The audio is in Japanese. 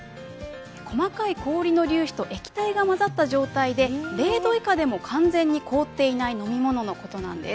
細かい氷の粒子と液体が混ざった状態で０度以下でも完全に凍っていない飲み物のことなんです。